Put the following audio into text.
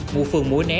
mua phường mũi né